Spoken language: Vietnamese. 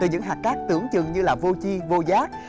những hạt cát tưởng chừng như là vô chi vô giá